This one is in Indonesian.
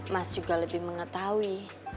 mas juga lebih mengetahui